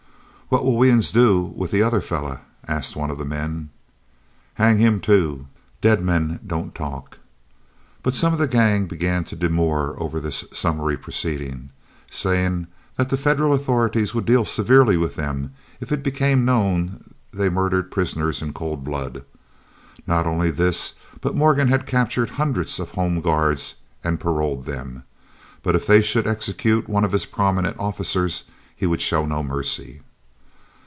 "What will we uns do with the other feller?" asked one of the men. "Hang him too. Dead men don't talk." But some of the gang began to demur over this summary proceeding, saying that the Federal authorities would deal severely with them if it became known they murdered prisoners in cold blood. Not only this, but Morgan had captured hundreds of Home Guards and paroled them. But if they should execute one of his prominent officers, he would show no mercy.